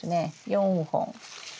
４本。